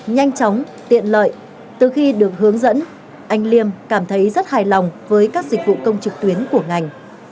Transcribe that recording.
nhanh chóng tiện lợi từ khi được hướng dẫn anh liêm cảm thấy rất hài lòng với các dịch vụ công trực tuyến của ngành